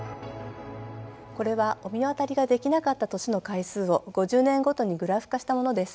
これは御神渡りができなかった年の回数を５０年ごとにグラフ化したものです。